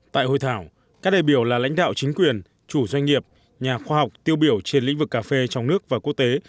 tại hội thảo các đại biểu là lãnh đạo chính quyền chủ doanh nghiệp nhà khoa học tiêu biểu trên lĩnh vực cà phê trong nước và quốc tế